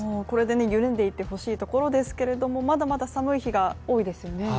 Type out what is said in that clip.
これで緩んでいってほしいところですけれどもまだまだ寒い日が多いですよね。